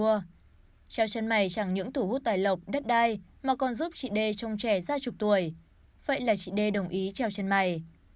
treo chân mày chẳng những thủ hút tài lộc đất đai mà còn giúp chị d trông trẻ ra chục tuổi vậy là chị d đồng ý treo chân mày